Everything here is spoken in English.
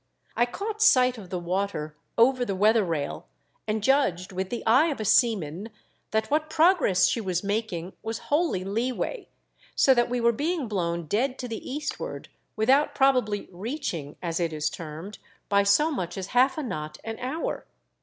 I caught sight of the water over the weather rail, and judged with the eye of a seaman that what progress she was making was wholly leeway ; so that we were being blown dead to the eastward, without probably "reaching," as it is termed, by so much as half a knot an hour.